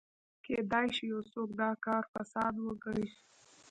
کېدای شي یو څوک دا کار فساد وګڼي.